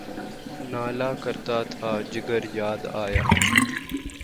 نالہ کرتا تھا، جگر یاد آیا